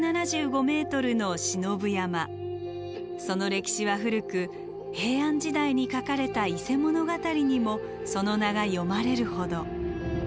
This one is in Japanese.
その歴史は古く平安時代に書かれた「伊勢物語」にもその名が詠まれるほど。